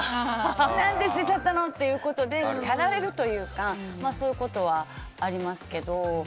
何で捨てちゃったの！って叱られるというかそういうことはありますけど。